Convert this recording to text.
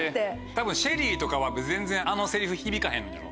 多分ＳＨＥＬＬＹとかは全然あのセリフ響かへんのやろ？